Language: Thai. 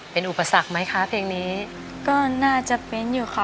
เป็นอุปสรรคไหมคะเพลงนี้ก็น่าจะเป็นอยู่ค่ะ